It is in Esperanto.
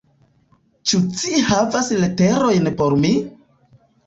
Ĉu ci havas leterojn por mi?